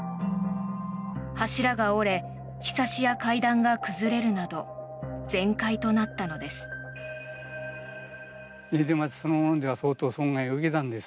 柱が折れひさしや階段が崩れるなど全壊となったのです。